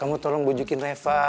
kamu tolong bujukin reva